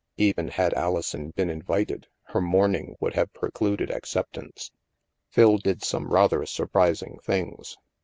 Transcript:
Even had Alison been invited, her mourning would have precluded acceptance. Phil did some rather surprising things.